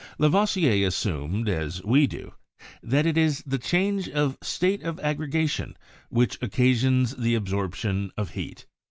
Lavoisier assumed, as we do, that it is the change of state of aggre gation which occasions the absorption of heat.